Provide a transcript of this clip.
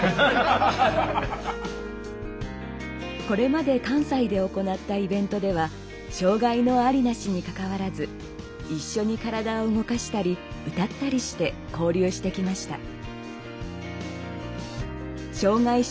これまで関西で行ったイベントでは障害のありなしに関わらず一緒に体を動かしたり歌ったりして交流してきました。